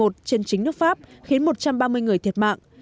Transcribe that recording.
trên chính nước pháp khiến một trăm ba mươi người thiệt mạng